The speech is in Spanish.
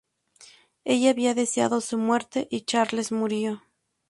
Ella había deseado su muerte... y Charles murió.